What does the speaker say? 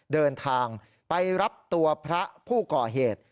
เดินทางไปรับตัวพระผู้ก่อเหตุ